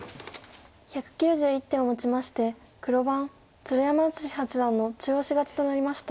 １９１手をもちまして黒番鶴山淳志八段の中押し勝ちとなりました。